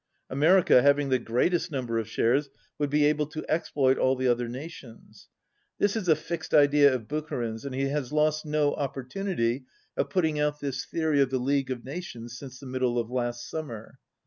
America, having the greatest number of shares, would be able to exploit all the other na tions. This is a fixed idea of Bucharin's, and he has lost no opportunity of putting out this theory of the League of Nations since the middle of last summer.